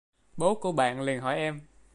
bố của bạn liền hỏi em